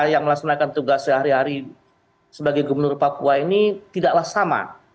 yang melaksanakan tugas sehari hari sebagai gubernur papua ini tidaklah sama